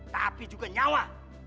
tapi juga nyawa